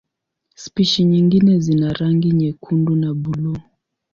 Spishi nyingine zina rangi nyekundu na buluu.